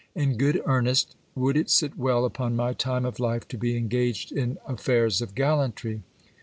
In good earnest, would it sit well upon m) time of life to be engaged in affairs of gallantry